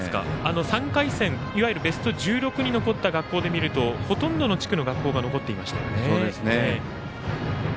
３回戦、いわゆるベスト１６に残った学校で見るとほとんどの地区の学校が残っていました。